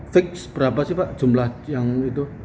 fix berapa sih pak jumlah yang itu